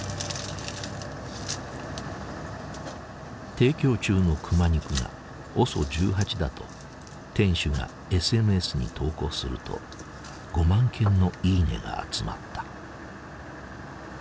提供中の熊肉がＯＳＯ１８だと店主がＳＮＳに投稿すると５万件の「いいね」が集まった。